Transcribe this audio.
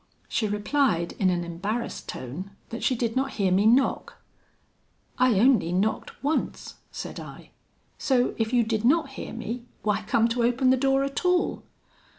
She replied in an embarrassed tone, that she did not hear me knock. 'I only knocked once,' said I; 'so if you did not hear me, why come to open the door at all?'